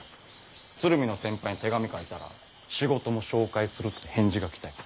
鶴見の先輩に手紙書いたら仕事も紹介するって返事が来たよ。